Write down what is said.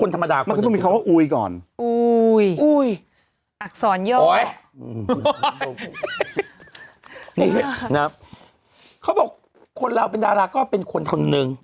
นี่นะครับเขาบอกคนเราเป็นดาราก็เป็นคนตอนนึง